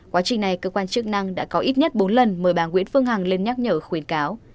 quá trình này cơ quan chức năng đã có ít nhất bốn lần mời bà nguyễn phương hằng lên nhắc nhở khuyến cáo